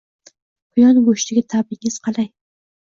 Quyon go‘shtiga ta’bingiz qalay?